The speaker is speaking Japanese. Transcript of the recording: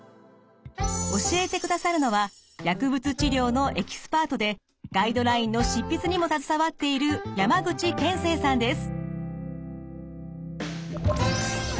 教えてくださるのは薬物治療のエキスパートでガイドラインの執筆にも携わっている山口研成さんです。